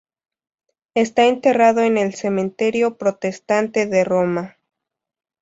Está enterrado en el Cementerio protestante de Roma.